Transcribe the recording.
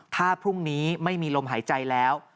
ถ้าพรุ่งนี้ไม่มีลมหายใจแล้ว